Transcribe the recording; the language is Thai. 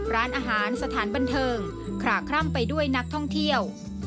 ร้านอาหารสถานบันเทิงขลาคร่ำไปด้วยนักท่องเที่ยว